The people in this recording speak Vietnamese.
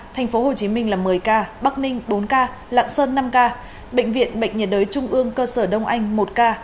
tp hcm là một mươi ca bắc ninh bốn ca lạng sơn năm ca bệnh viện bệnh nhiệt đới trung ương cơ sở đông anh một ca